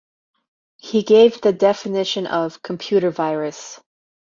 He gave the definition of "computer virus".